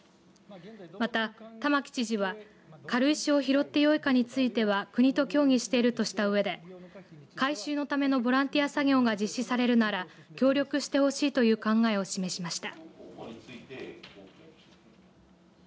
また、玉城知事は軽石を拾ってよいかについては国と協議しているとしたうえで回収のためのボランティア作業が実施されるなら協力してほしいという考えを示しました。